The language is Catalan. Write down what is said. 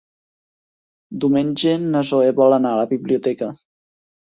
Diumenge na Zoè vol anar a la biblioteca.